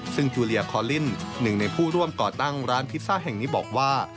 ซึ่งจูเลียคอลินหนึ่งในผู้ร่วมก่อตั้งร้านพิซซ่าแห่งนี้บอกว่า